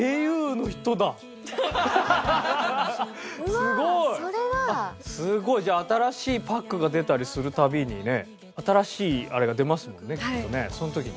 すごい！じゃあ新しいパックが出たりする度にね新しいあれが出ますもんねきっとねその時に。